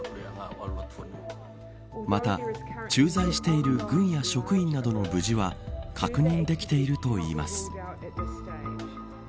また、駐在している軍や職員などの無事は確認できているといいます。